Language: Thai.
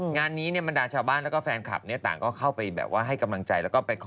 งานนี้เนี่ยบรรดาชาวบ้านแล้วก็แฟนคลับเนี่ยต่างก็เข้าไปแบบว่าให้กำลังใจแล้วก็ไปขอ